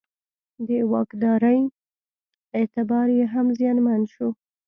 او د واکدارۍ اعتبار یې هم زیانمن شو.